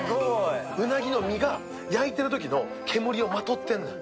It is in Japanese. うなぎの身が焼いてるときの煙をまとってんねん。